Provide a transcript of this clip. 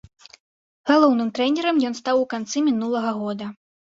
Галоўным трэнерам ён стаў у канцы мінулага года.